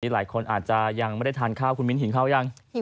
หลายคนอาจจะยังไม่ได้ทานข้าวคุณมิ้นหินข้าวยัง